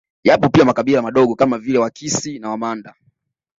Yapo pia makabila madogo kama vile Wakisi na Wamanda